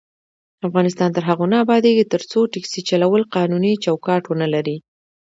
افغانستان تر هغو نه ابادیږي، ترڅو ټکسي چلول قانوني چوکاټ ونه لري.